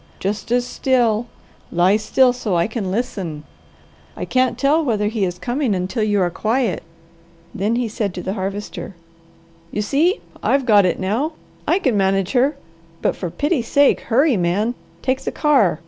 Just as still, lie still so I can listen. I can't tell whether he is coming until you are quiet." Then he said to the Harvester, "You see, I've got it now. I can manage her, but for pity sake, hurry man! Take the car!